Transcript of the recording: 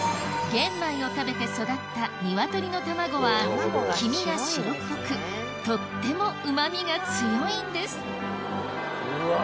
玄米を食べて育った鶏の卵は黄身が白っぽくとってもうま味が強いんですうわ